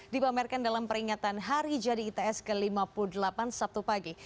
dipamerkan dalam peringatan hari jadi its ke lima puluh delapan sabtu pagi